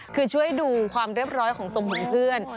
คือช่วยดูความเรียบร้อยของทรงผมเพื่อน